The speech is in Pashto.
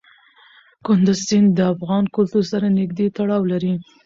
کندز سیند د افغان کلتور سره نږدې تړاو لري.